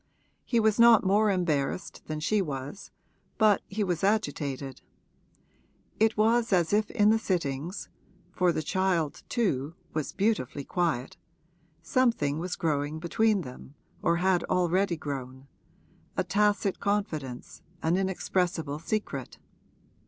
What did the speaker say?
He was not more embarrassed than she was, but he was agitated: it was as if in the sittings (for the child, too, was beautifully quiet) something was growing between them or had already grown a tacit confidence, an inexpressible secret.